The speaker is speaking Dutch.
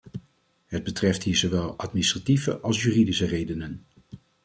Het betreft hier zowel administratieve als juridische redenen.